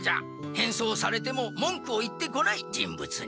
変装されても文句を言ってこない人物に。